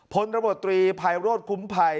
ผลระบบตรีภัยรวดคุ้มภัย